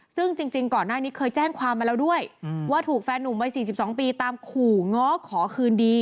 ซึ่งจริงก่อนหน้านี้เคยแจ้งความมาแล้วด้วยว่าถูกแฟนหนุ่มวัย๔๒ปีตามขู่ง้อขอคืนดี